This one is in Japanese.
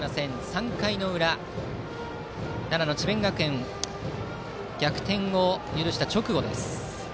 ３回の裏、奈良の智弁学園逆転を許した直後です。